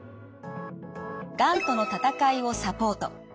「がんとの闘いをサポート」。